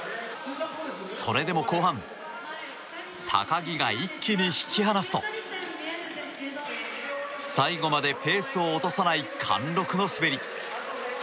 それでも後半高木が一気に引き離すと最後までペースを落とさない貫禄の滑り。